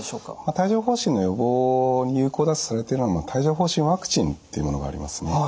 帯状ほう疹の予防に有効だとされているのは帯状ほう疹ワクチンっていうものがありますね。